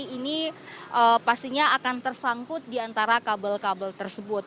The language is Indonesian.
ini pastinya akan tersangkut di antara kabel kabel tersebut